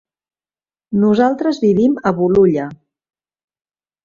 Nosaltres vivim a Bolulla.